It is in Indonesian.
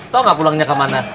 tau ga pulangnya kemana